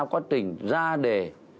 quá trình ra đề